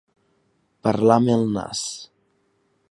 Parlar amb el nas.